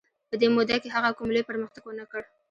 په دې موده کې هغه کوم لوی پرمختګ ونه کړ.